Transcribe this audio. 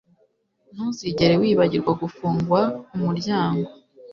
Ntuzigere wibagirwa gufunga umuryango